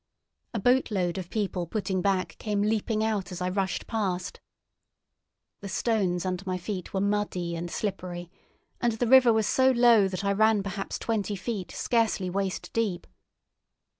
A boatload of people putting back came leaping out as I rushed past. The stones under my feet were muddy and slippery, and the river was so low that I ran perhaps twenty feet scarcely waist deep.